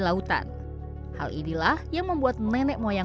ya mungkin itu jintang apa itu namanya